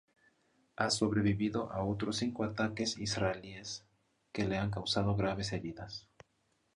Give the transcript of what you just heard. Ha sobrevivido a otros cinco ataques israelíes, que le han causado graves heridas.